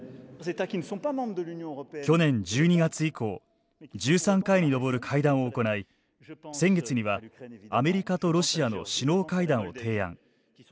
去年１２月以降１３回に上る会談を行い先月には、アメリカとロシアの首脳会談を提案。